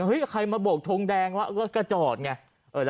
เฮ้ยใครมาโบกทงแดงละกระจอดไง